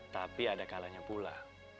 tapi ada kalanya pula